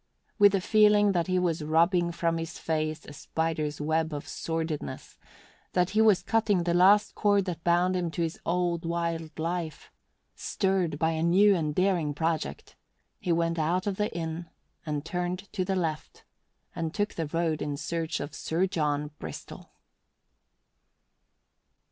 With a feeling that he was rubbing from his face a spider's web of sordidness, that he was cutting the last cord that bound him to his old, wild life, stirred by a new and daring project, he went out of the inn and turned to the left and took the road in search of Sir John Bristol.